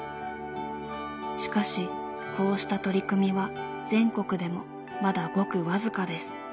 しかしこうした取り組みは全国でもまだごく僅かです。